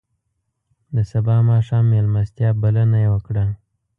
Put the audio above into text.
د سبا ماښام میلمستیا بلنه یې وکړه.